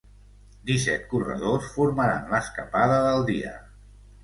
Disset corredors formaran l'escapada del dia.